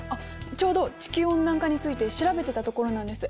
ちょうど地球温暖化について調べてたところなんです。